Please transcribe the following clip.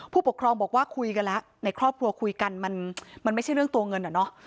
ผู้ปกครองบอกว่าคุยกันแล้วในครอบครัวคุยกันมันไม่ใช่เรื่องตัวเงินอะเนาะ